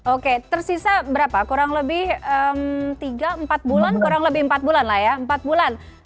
oke tersisa berapa kurang lebih tiga empat bulan kurang lebih empat bulan lah ya empat bulan